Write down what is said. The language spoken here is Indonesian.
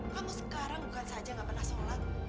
kamu sekarang bukan saja gak pernah sholat